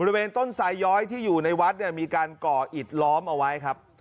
บริเวณต้นสายย้อยที่อยู่ในวัดเนี่ยมีการก่ออิดล้อมเอาไว้ครับ